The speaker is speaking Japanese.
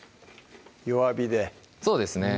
弱火でそうですね